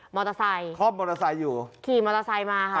มอเตอร์ไซค์คล่อมมอเตอร์ไซค์อยู่ขี่มอเตอร์ไซค์มาค่ะ